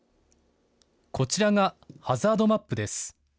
こちらがハザードマップです。